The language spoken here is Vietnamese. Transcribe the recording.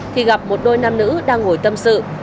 thì gặp một đôi nam nữ đang ngồi tâm sự